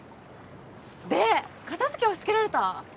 で片付け押し付けられた？